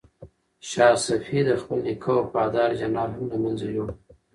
شاه صفي د خپل نیکه وفادار جنرالان هم له منځه یووړل.